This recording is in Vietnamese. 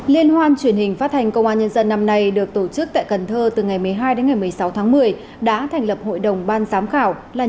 liên hoan truyền hình phát hành công an nhân dân năm nay được tổ chức tại cần thơ từ ngày một mươi hai đến ngày một mươi sáu tháng một mươi đã thành lập hội đồng ban giám khảo